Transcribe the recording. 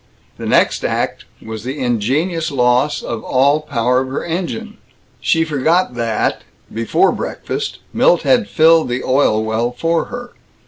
The next act was the ingenious loss of all power of her engine. She forgot that, before breakfast, Milt had filled the oil well for her.